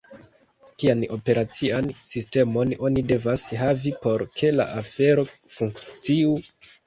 Kian operacian sistemon oni devas havi por ke la afero funkciu?